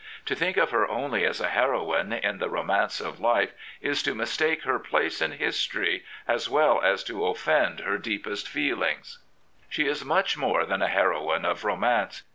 To think of her only as a heroine in the romance of life is to mistake her place in history as well as to offend her deepest feelings. She is much more than a heroine of romance.